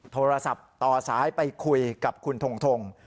โทรศัพท์ต่อสายไปคุยกับคุณทงทง